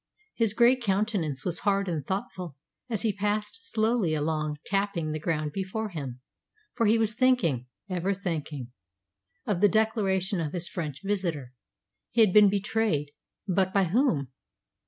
His grey countenance was hard and thoughtful as he passed slowly along tapping the ground before him, for he was thinking ever thinking of the declaration of his French visitor. He had been betrayed. But by whom?